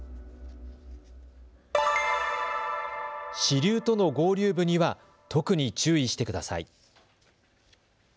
支流との合流部には特に注意してください。